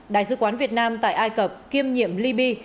đại sứ quán việt nam tại ai cập kiêm nhiệm liby